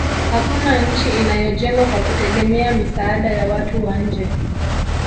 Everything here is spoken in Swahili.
hakuna nchi inayojengwa kwa kutegemea misaada ya watu wa nje